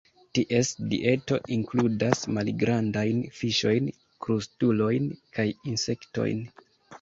Ties dieto inkludas malgrandajn fiŝojn, krustulojn kaj insektojn.